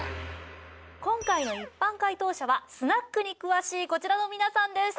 今回の一般解答者はスナックに詳しいこちらの皆さんです。